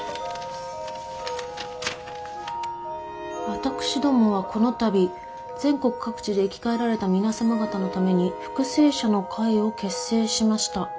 「私どもはこの度全国各地で生き返られた皆様方のために復生者の会を結成しました。